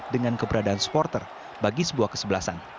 dengan keberadaan supporter bagi sebuah kesebelasan